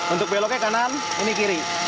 untuk beloknya kanan ini kiri